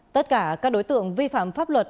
tất cả các đối tượng vi phạm pháp luật